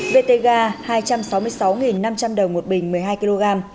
vtga hai trăm sáu mươi sáu năm trăm linh đồng một bình một mươi hai kg